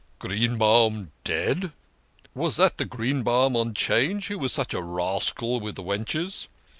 " Greenbaum dead ! Was that the Greenbaum on 'Change, who was such a rascal with the wenches?"